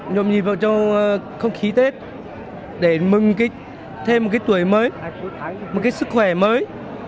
nhộm nhịp vào trong không khí tết để mừng thêm một cái tuổi mới một cái sức khỏe mới